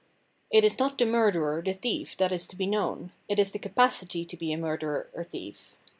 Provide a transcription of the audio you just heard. It is not the murderer, the thief that is to be known ; it is the capacity to be a murderer, a thief.